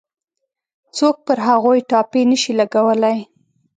څوک پر هغوی ټاپې نه شي لګولای.